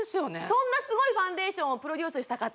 そんなすごいファンデーションをプロデュースした方